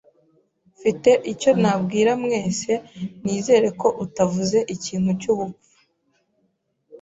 Mfite icyo nabwira mwese Nizere ko utavuze ikintu cyubupfu.